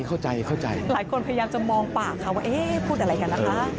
หลายคนพยายามจะมองปากเขาว่าพูดอะไรกันนะคะ